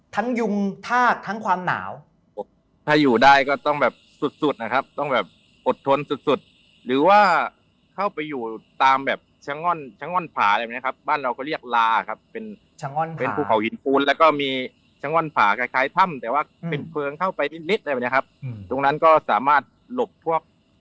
ยุงธาตุทั้งความหนาวถ้าอยู่ได้ก็ต้องแบบสุดสุดนะครับต้องแบบอดทนสุดสุดหรือว่าเข้าไปอยู่ตามแบบชะง่อนช้างง่อนผาอะไรแบบนี้ครับบ้านเราก็เรียกลาครับเป็นช้างเป็นภูเขาหินปูนแล้วก็มีช้างง่อนผ่าคล้ายคล้ายถ้ำแต่ว่าเป็นเพลิงเข้าไปนิดนิดอะไรแบบนี้ครับตรงนั้นก็สามารถหลบพวก